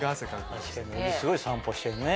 小木すごい散歩してるね。